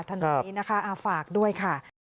ถัดหน่อยนะคะฝากด้วยค่ะ